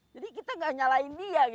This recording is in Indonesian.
jadi kita tidak menyalakan dia